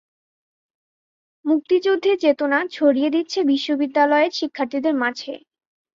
মুক্তিযুদ্ধের চেতনা ছড়িয়ে দিচ্ছে বিশ্ববিদ্যালয়ের শিক্ষার্থীদের মাঝে।